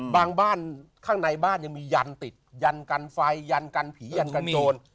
บ้านข้างในบ้านยังมียันติดยันกันไฟยันกันผียันกันโจร